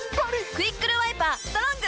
「クイックルワイパーストロング」！